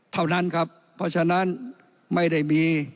เท่านั้นครับเพราะฉะนั้นไม่ได้มี